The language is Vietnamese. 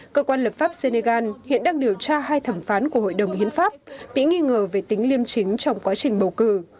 cơ quan lập pháp senegal hiện đang điều tra hai thẩm phán của hội đồng hiến pháp bị nghi ngờ về tính liêm chính trong quá trình bầu cử